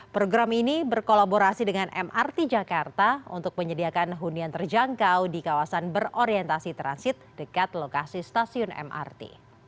program ini berkolaborasi dengan mrt jakarta untuk menyediakan hunian terjangkau di kawasan berorientasi transit dekat lokasi stasiun mrt